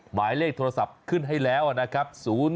หมายเลขโทรศัพท์ขึ้นให้แล้วนะครับ